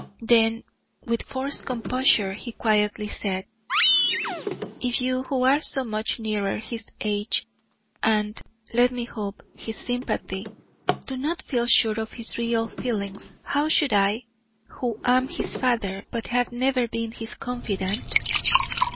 Then with forced composure he quietly said: "If you who are so much nearer his age, and, let me hope, his sympathy, do not feel sure of his real feelings, how should I, who am his father, but have never been his confidant?"